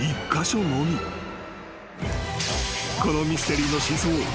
［このミステリーの真相。